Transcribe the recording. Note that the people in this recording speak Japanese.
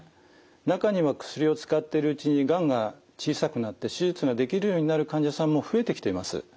中には薬を使っているうちにがんが小さくなって手術ができるようになる患者さんも増えてきています。